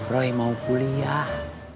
roy mau kuliah